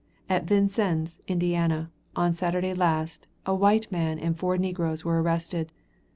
At Vincennes, Indiana, on Saturday last, a white man and four negroes were arrested.